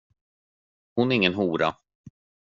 Hon är ingen hora.